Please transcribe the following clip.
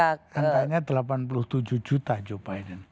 angkanya delapan puluh tujuh juta joe biden